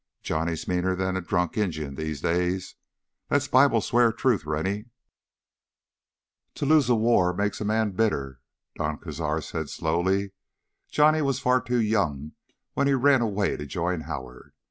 Johnny's meaner than a drunk Injun these days. That's Bible swear truth, Rennie." "To lose a war makes a man bitter," Don Cazar said slowly. "Johnny was far too young when he ran away to join Howard.